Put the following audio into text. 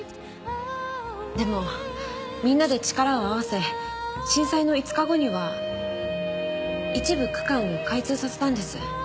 でもみんなで力を合わせ震災の５日後には一部区間を開通させたんです。